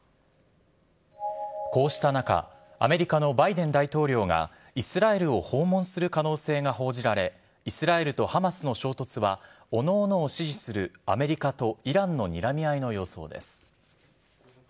こうした中、アメリカのバイデン大統領が、イスラエルを訪問する可能性が報じられ、イスラエルとハマスの衝突はおのおのを支持するアメリカとイランのにらみ合いの様相です。